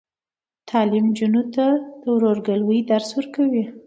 تعلیم نجونو ته د ورورګلوۍ درس ورکوي.